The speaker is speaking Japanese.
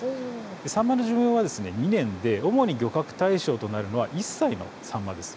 サンマの寿命は２年で主に漁獲対象となるのは１歳のサンマです。